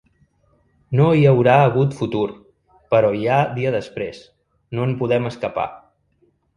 No hi haurà hagut futur, però hi ha dia després, no en podem escapar.